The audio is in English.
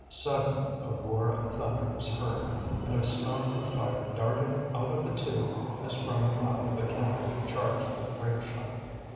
Suddenly, a roar of thunder was heard, and a spout of fire darted out of the tube as from the mouth of a cannon charged with grapeshot.